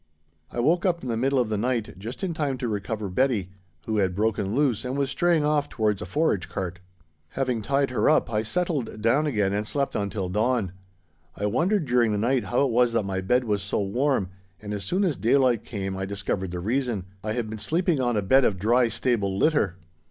I woke up in the middle of the night just in time to recover Betty, who had broken loose and was straying off towards a forage cart. Having tied her up, I settled down again and slept until dawn. I wondered during the night how it was that my bed was so warm, and as soon as daylight came I discovered the reason I had been sleeping on a bed of dry stable litter!